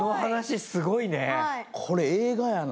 これ映画やな。